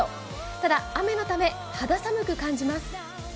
ただ、雨のため、肌寒く感じます。